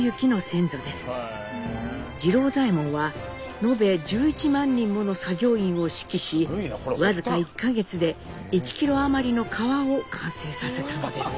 次郎左衛門は延べ１１万人もの作業員を指揮し僅か１か月で１キロ余りの川を完成させたのです。